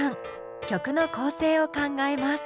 曲の構成を考えます。